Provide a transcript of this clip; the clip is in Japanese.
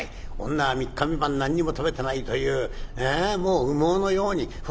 女は三日三晩何にも食べてないというもう羽毛のようにフワッとした女だ。